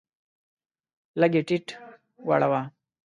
لږ یې ټیټه وړوه.